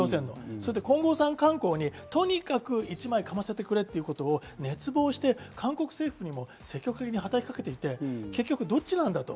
それで金剛山観光にとにかく一枚かませてくれってことを熱望して韓国政府にも積極的に働き掛けていて結局どっちなんだと。